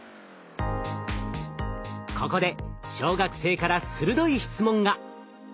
ここで小学生から鋭い質問が。